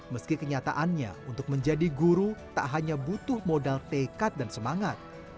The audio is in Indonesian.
meski kenyataannya untuk menjadi guru tak hanya butuh modal tekat dan semangat